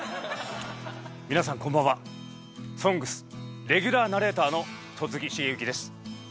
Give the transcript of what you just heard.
皆さんこんばんは「ＳＯＮＧＳ」レギュラーナレーターの戸次重幸です。